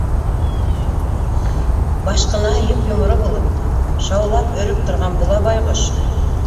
Башҡынаһы йоп-йоморо булып, шаулап өрөп торған була байғош.